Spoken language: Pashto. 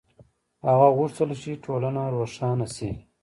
هغه غوښتل چې ټولنه روښانه شي.